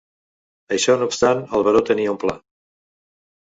Això no obstant, el baró tenia un pla.